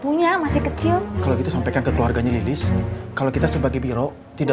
punya masih kecil kalau gitu sampaikan ke keluarganya lilis kalau kita sebagai biro tidak